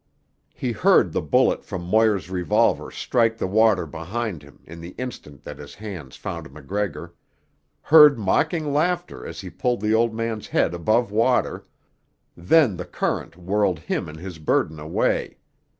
He heard the bullet from Moir's revolver strike the water behind him in the instant that his hands found MacGregor; heard mocking laughter as he pulled the old man's head above water; then the current whirled him and his burden away.